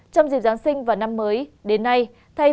trong dịp giáng sinh và năm mới đến nay